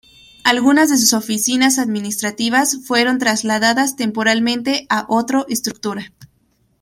Algunas de sus oficinas administrativas fueron trasladadas temporalmente a otro estructura.